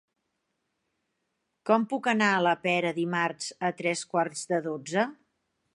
Com puc anar a la Pera dimarts a tres quarts de dotze?